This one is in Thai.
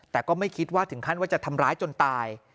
แต่ก็ไม่คิดว่าถึงขั้นว่าจะทำร้ายจนตาย